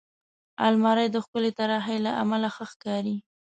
الماري د ښکلې طراحۍ له امله ښه ښکاري